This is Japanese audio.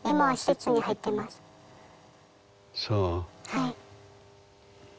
はい。